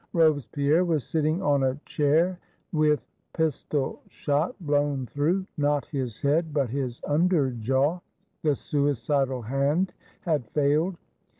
Robespierre was sitting on a chair, with pistol shot blown through, not his head, but his under jaw; the suicidal hand had failed.